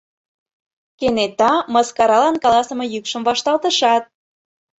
— кенета мыскаралан каласыме йӱкшым вашталтышат